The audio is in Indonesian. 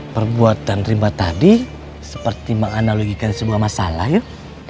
perbuatan rima tadi seperti menganalogikan sebuah masalah yuk